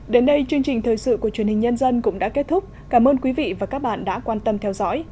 đến đây chương trình thời sự của truyền hình nhân dân cũng đã kết thúc cảm ơn quý vị và các bạn đã quan tâm theo dõi